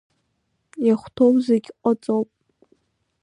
Иахәҭоу зегь ҟаҵоуп.